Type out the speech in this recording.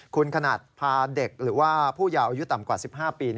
คุณขนาดพาเด็กหรือว่าผู้ยาวอายุต่ำกว่า๑๕ปี